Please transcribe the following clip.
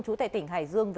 chú tại tỉnh hải dương